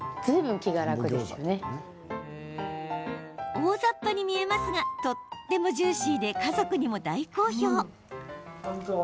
大ざっぱに見えますがとってもジューシーで家族にも大好評。